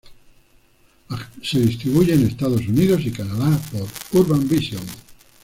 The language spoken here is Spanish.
Se distribuye en Estados Unidos y Canadá por Urban Vision.